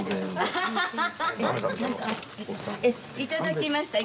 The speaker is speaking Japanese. いただきました。